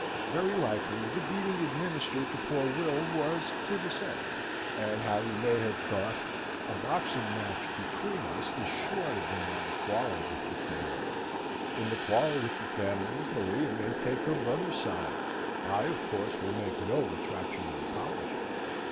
Very likely the beating administered to poor Will was to this end; and Harry may have thought, "A boxing match between us is sure to bring on a quarrel with the family; in the quarrel with the family, Maria may take her brother's side. I, of course, will make no retraction or apology.